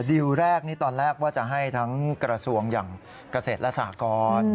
ดิวแรกนี่ตอนแรกว่าจะให้ทั้งกระทรวงอย่างเกษตรและสหกร